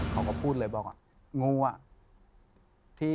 เขาก็พูดเลยบอกว่างูอ่ะ